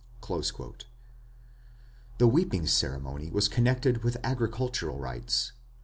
The weeping ceremony was connected with agricultural rites.